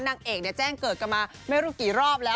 นางเอกแจ้งเกิดกันมาไม่รู้กี่รอบแล้ว